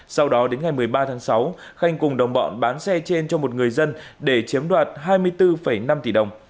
sau đó đến ngày một mươi ba tháng sáu khanh cùng đồng bọn bán xe trên cho một người dân để chiếm đoạt hai mươi bốn năm tỷ đồng